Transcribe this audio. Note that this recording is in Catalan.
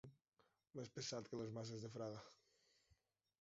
Més pesat que les maces de Fraga.